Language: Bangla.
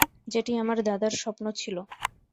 যেটি আমার দাদার স্বপ্ন ছিলো।